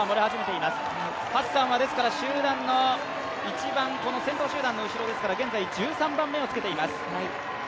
ハッサンは先頭集団の後ろですから現在１３番目をつけています。